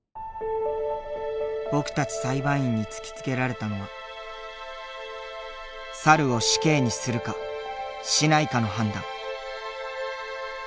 僕たち裁判員に突きつけられたのは猿を死刑にするかしないかの判断。